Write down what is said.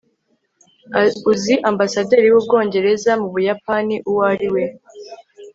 uzi ambasaderi w'ubwongereza mu buyapani uwo ari we